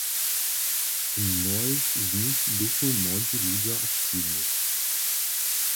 W mnohich z nich běchu młodźi ludźo aktiwni.